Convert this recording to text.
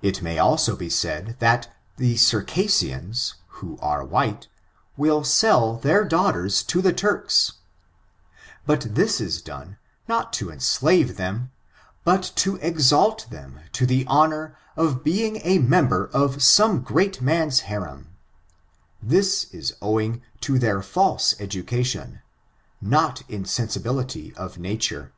It may also be said, that the Circassians, who are white, will sell their daughters to the Turks, but this is done, not to enslave them, but to exalt them to the honor of be ing a member of some great man's harem — this is owing to their f^ise education, not insensibility of na« ture.